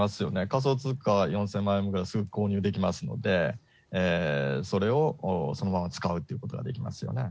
仮想通貨は４０００万円ぐらいすぐ購入できますので、それをそのまま使うっていうことはできますよね。